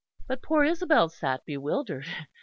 But poor Isabel sat bewildered.